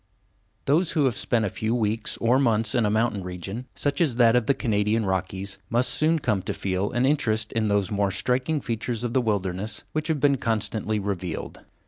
_ Those who have spent a few weeks or months in a mountain region, such as that of the Canadian Rockies, must soon come to feel an interest in those more striking features of the wilderness which have been constantly revealed.